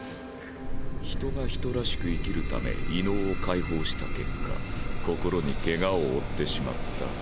人が人らしく生きるため異能を解放した結果心に怪我を負ってしまった。